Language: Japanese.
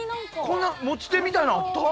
こんな持ち手みたいのあった？